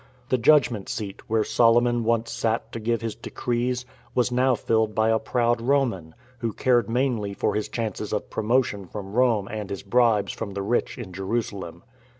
The judgment seat, where Solomon once sat to give his decrees, was now filled by a proud Roman, who cared mainly for his chances of promotion from Rome and his bribes from the rich in Jerusalem.